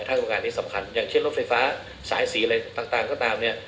ถ้าต้องการที่สำคัญอย่างเช่นรถไฟฟ้าสายสีอะไรต่างก็ตามเนี่ย